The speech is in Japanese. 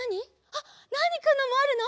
あナーニくんのもあるの？